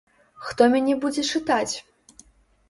Хто мяне будзе чытаць?